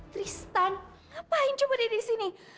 tristan ngapain coba di sini